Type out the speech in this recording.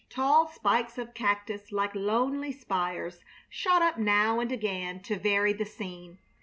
Tall spikes of cactus like lonely spires shot up now and again to vary the scene.